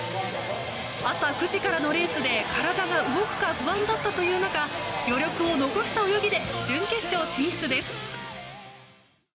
朝９時からのレースで体が動くか不安だったという中余力を残した泳ぎで準決勝進出です。